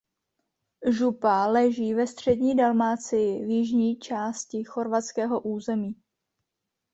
Župa leží ve střední Dalmácii v jižní části Chorvatského území.